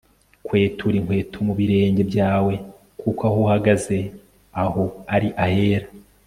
kwetura inkweto mu birenge byawe, kuko aho uhagaze aho ari ahera